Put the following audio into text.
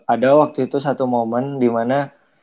ada waktu itu satu momen dimana